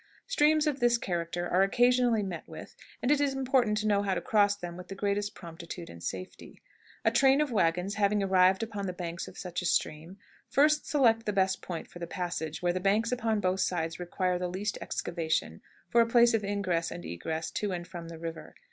Streams of this character are occasionally met with, and it is important to know how to cross them with the greatest promptitude and safety. A train of wagons having arrived upon the bank of such a stream, first select the best point for the passage, where the banks upon both sides require the least excavation for a place of ingress and egress to and from the river.